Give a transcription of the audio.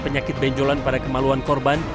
penyakit benjolan pada kemaluan korban